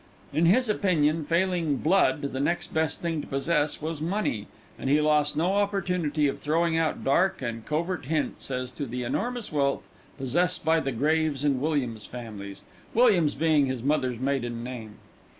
In his opinion, failing "blood" the next best thing to possess was money, and he lost no opportunity of throwing out dark and covert hints as to the enormous wealth possessed by the Graves and Williams families, Williams being his mother's maiden name.